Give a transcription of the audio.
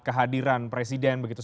kehadiran presiden begitu saja